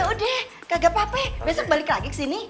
yaudah nggak apa apa besok balik lagi ke sini